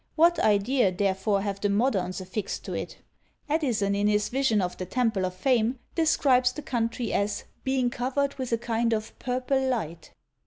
What idea, therefore, have the moderns affixed to it? Addison, in his Vision of the Temple of Fame, describes the country as "being covered with a kind of PURPLE LIGHT."